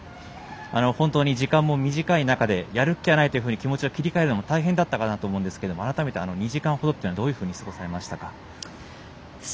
本当に時間も短い中でやるっきゃないというふうに気持ちを切り替えるのも大変だったかと思うんですけど改めて２時間ほどというのはどういうふうに過ごされましたか？